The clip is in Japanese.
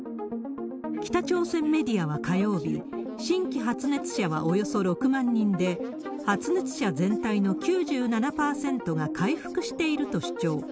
北朝鮮メディアは火曜日、新規発熱者はおよそ６万人で、発熱者全体の９７％が快復していると主張。